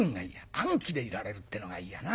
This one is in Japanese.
安気でいられるってのがいいやな。